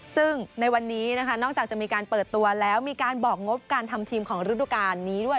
ซึ่งในวันนี้นะคะนอกจากจะมีการเปิดตัวแล้วมีการบอกงบการทำทีมของฤดูการนี้ด้วย